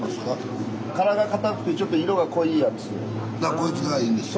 こいつがいいんですね。